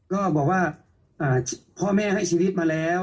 ก็บอกว่าพ่อแม่ให้ชีวิตมาแล้ว